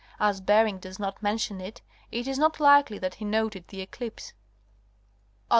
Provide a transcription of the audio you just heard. As Bering does not mention it, it is not likely that he noted the eclipse. Aug.